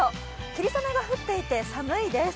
霧雨が降っていて寒いです。